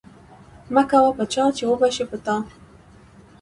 ـ مه کوه په چا ،چې وبشي په تا.